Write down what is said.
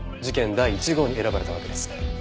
第一号に選ばれたわけです。